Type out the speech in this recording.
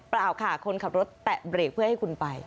ค่ะคนขับรถแตะเบรกเพื่อให้คุณไป